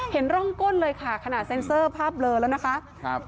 เห็นร่องก้นเลยค่ะขนาดเซ็นเซอร์ภาพเลอแล้วนะคะครับ